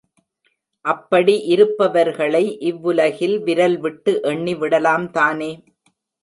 அப்படி இருப்பவர்களை இவ்வுலகில் விரல்விட்டு எண்ணி விடலாம்தானே.